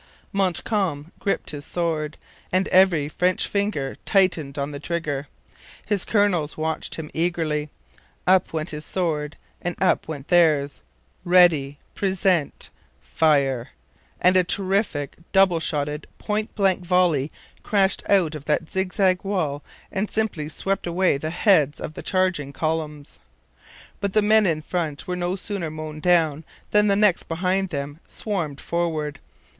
Montcalm gripped his sword, and every French finger tightened on the trigger. His colonels watched him eagerly. Up went his sword and up went theirs. READY! PRESENT! FIRE!! and a terrific, double shotted, point blank volley crashed out of that zigzag wall and simply swept away the heads of the charging columns. But the men in front were no sooner mown down than the next behind them swarmed forward.